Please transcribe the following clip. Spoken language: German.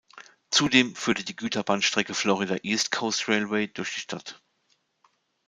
Zudem führt die Güterbahnstrecke Florida East Coast Railway durch die Stadt.